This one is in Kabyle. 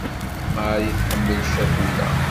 Mari tḥemmel ccakula.